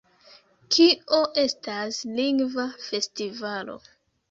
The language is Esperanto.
Kio estas Lingva Festivalo?